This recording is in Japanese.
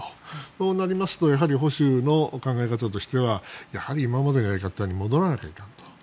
そうなりますと保守の考え方としてはやはり今までのやり方に戻らないといけないと。